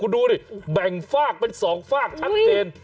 ดูดิแบ่งฝากเป็น๒ฝากชัดเจน